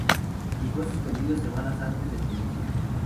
Y fue suspendido semanas antes de su inicio.